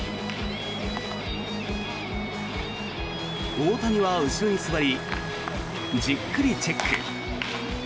大谷は後ろに座りじっくりチェック。